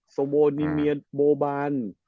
โสโมนิเมียโบบัน